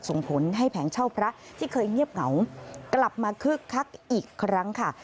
ส่งผลให้แผงเช่าพระที่เคยเงียบเหงากลับมาคึกคักอีกครั้งค่ะ